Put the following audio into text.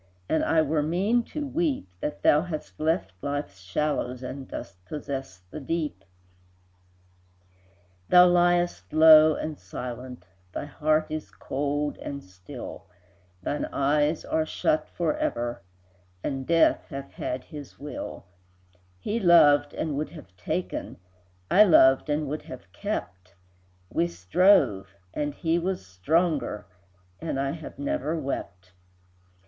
And I were mean to weep, That thou hast left Life's shallows, And dost possess the Deep. Thou liest low and silent, Thy heart is cold and still, Thine eyes are shut forever, And Death hath had his will; He loved and would have taken, I loved and would have kept, We strove, and he was stronger, And I have never wept.